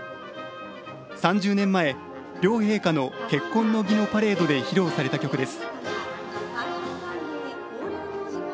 ３０年前、両陛下の結婚の儀のパレードで披露された曲です。